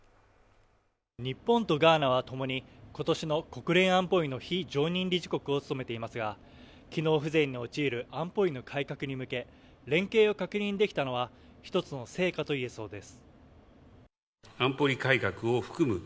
日本とガーナはともに今年の国連安保理の非常任理事国を務めていますが、機能不全に陥る安保理の改革に向け、連携を確認できたのは一つの成果と言えそうです。